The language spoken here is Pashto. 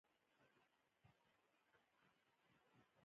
د سلطان سلین د مړینې پرمهال پولې رسېدلې وې.